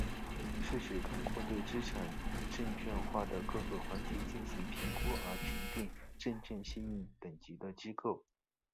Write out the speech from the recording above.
是指通过对资产证券化的各个环节进行评估而评定证券信用等级的机构。